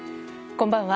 こんばんは。